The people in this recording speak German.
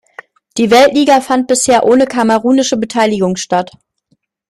Die Weltliga fand bisher ohne kamerunische Beteiligung statt.